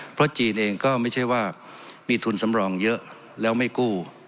เพราะจีนเองก็ไม่ใช่ว่ามีทุนสำรองเยอะแล้วไม่กู้